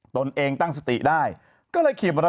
ตนเองตั้งสติได้ก็แล้วขี่มอเตอร์ไซค์เลย